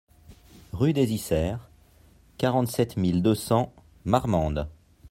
Rue des Isserts, quarante-sept mille deux cents Marmande